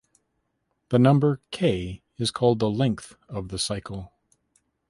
The number "k" is called the "length" of the cycle.